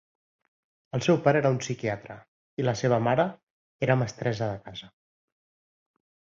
El seu pare era un psiquiatre i la seva mare era mestressa de casa.